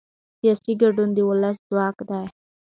سیاسي ګډون د ولس ځواک دی